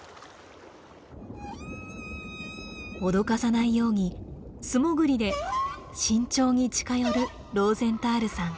脅かさないように素潜りで慎重に近寄るローゼンタールさん。